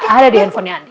ada di handphonenya andi